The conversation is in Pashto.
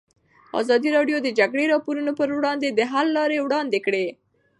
ازادي راډیو د د جګړې راپورونه پر وړاندې د حل لارې وړاندې کړي.